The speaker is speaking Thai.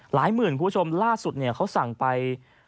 หลายหมื่นผู้ชมล่าสุดเขาสั่งไป